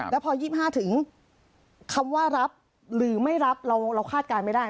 แล้วพอ๒๕ถึงคำว่ารับหรือไม่รับเราคาดการณ์ไม่ได้